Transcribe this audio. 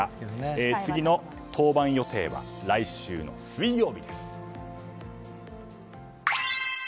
次の登板予定は来週水曜日です。